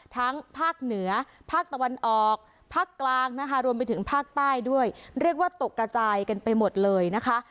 ภาคเหนือภาคตะวันออกภาคกลางนะคะรวมไปถึงภาคใต้ด้วยเรียกว่าตกกระจายกันไปหมดเลยนะคะ